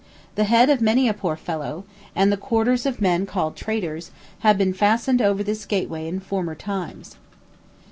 The head of many a poor fellow, and the quarters of men called traitors, have been fastened over this gateway in former times.